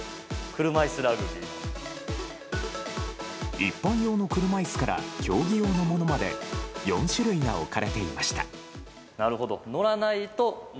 一般用の車椅子から競技用のものまで４種類が置かれていました。